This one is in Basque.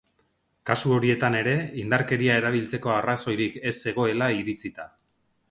Kasu horietan ere, indarkeria erabiltzeko arrazoirik ez zegoela iritzita.